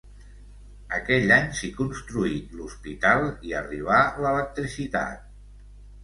Aquell any s'hi construí l'hospital i arribà l'electricitat.